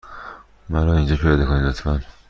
مرا اینجا پیاده کنید، لطفا.